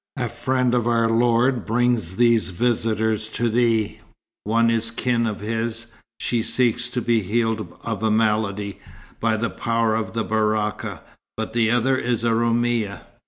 A friend of our lord brings these visitors to thee. One is kin of his. She seeks to be healed of a malady, by the power of the Baraka. But the other is a Roumia."